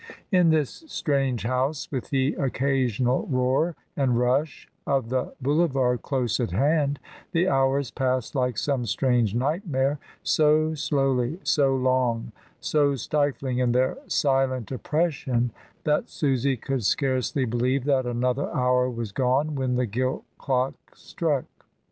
In this strange house, with the occasional roar and rush of the boulevard close at hand, the hours passed like some strange nightmare, so slowly, so long, so stifling in their silent oppression, that Susy could scarcely believe that another hour was gone when the gilt clock struck.